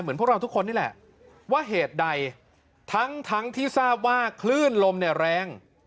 พวกเราทุกคนนี่แหละว่าเหตุใดทั้งที่ทราบว่าคลื่นลมเนี่ยแรง